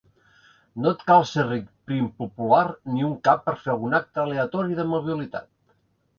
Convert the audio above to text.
No et cal ser ric, prim, popular ni un cap per fer algun acte aleatori d'amabilitat.